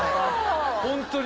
ホントに。